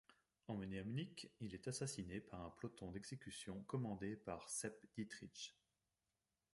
Emmené à Munich, il est assassiné par un peloton d’exécution commandé par Sepp Dietrich.